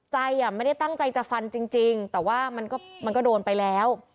ใจไม่ได้ตั้งใจจะฟันจริงแต่ว่ามันก็โดนไปแล้ว